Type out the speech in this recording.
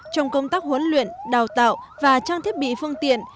trong công tác huấn luyện đào tạo và trang thiết bị phương tiện